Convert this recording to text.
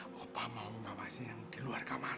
papa mau papa sini yang di luar kamar